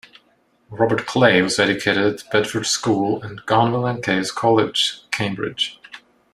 Robert Clay was educated at Bedford School and Gonville and Caius College, Cambridge.